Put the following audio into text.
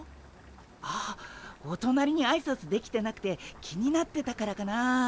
ああおとなりにあいさつできてなくて気になってたからかなあ。